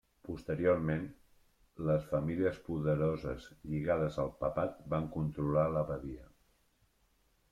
Posteriorment, les famílies poderoses lligades al papat van controlar l'abadia.